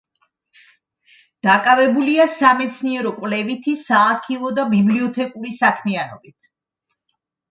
დაკავებულია სამეცნიერო-კვლევითი, საარქივო და ბიბლიოთეკური საქმიანობით.